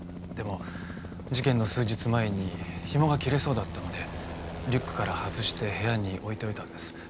でも事件の数日前にひもが切れそうだったのでリュックから外して部屋に置いておいたんです。